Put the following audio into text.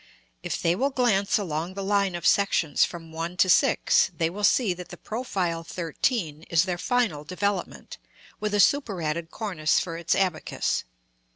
If they will glance along the line of sections from 1 to 6, they will see that the profile 13 is their final development, with a superadded cornice for its abacus.